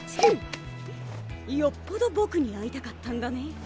よっぽどボクに会いたかったんだね。